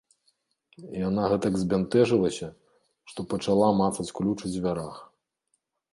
Яна гэтак збянтэжылася, што пачала мацаць ключ у дзвярах.